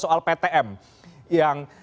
soal ptm yang